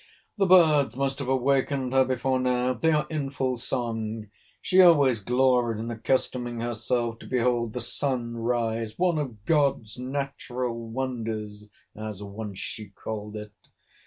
The birds must have awakened her before now. They are in full song. She always gloried in accustoming herself to behold the sun rise—one of God's natural wonders, as once she called it.